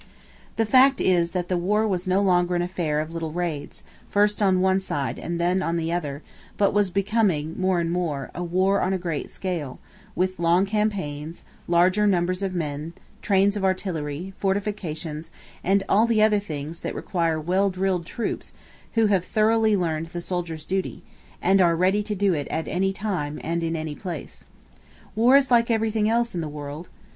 The fact is that the war was no longer an affair of little raids, first on one side and then on the other, but was becoming, more and more, a war on a great scale, with long campaigns, larger numbers of men, trains of artillery, fortifications, and all the other things that require well drilled troops who have thoroughly learned the soldier's duty, and are ready to do it at any time and in any place. War is like everything else in the world.